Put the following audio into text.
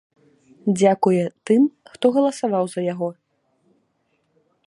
Дзякуе тым, хто галасаваў за яго.